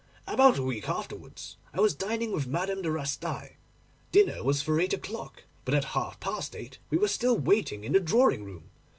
About a week afterwards I was dining with Madame de Rastail. Dinner was for eight o'clock; but at half past eight we were still waiting in the drawing room.